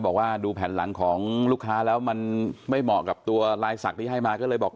บอกว่าดูแผ่นหลังของลูกค้าแล้วมันไม่เหมาะกับตัวลายศักดิ์ที่ให้มาก็เลยบอก